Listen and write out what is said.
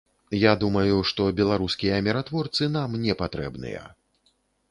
Я думаю, што беларускія міратворцы нам не патрэбныя.